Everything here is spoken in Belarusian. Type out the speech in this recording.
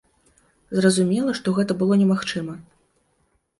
Зразумела, што гэта было немагчыма.